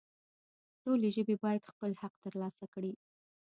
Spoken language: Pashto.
ټولې ژبې باید خپل حق ترلاسه کړي